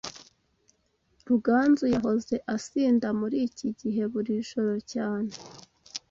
Ruganzu yahoze asinda muri iki gihe buri joro cyane